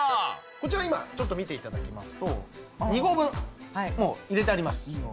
こちらは今ちょっと見て頂きますと２合分もう入れてあります。